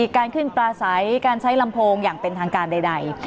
การขึ้นปลาใสการใช้ลำโพงอย่างเป็นทางการใด